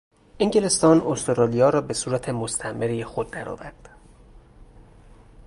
انگلستان استرالیا را به صورت مستعمره خود درآورد.